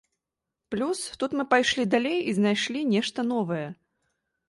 Плюс, тут мы пайшлі далей і знайшлі нешта новае.